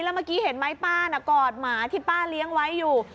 แล้วเมื่อกี้เห็นไหมป้าน่ะกอดหมาที่ป้าเลี้ยงไว้อยู่